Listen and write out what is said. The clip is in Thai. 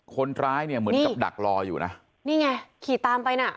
คนร้ายเนี่ยเหมือนกับดักรออยู่นะนี่ไงขี่ตามไปน่ะ